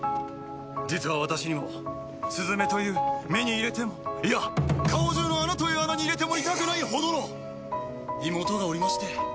実は私にもスズメという目に入れてもいや顔中の穴という穴に入れても痛くないほどの妹がおりまして。